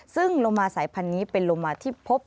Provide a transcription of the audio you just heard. ซึ่งโลมาสายพันธุ์นี้เป็นโลมาที่พบ